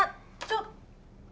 ちょっ。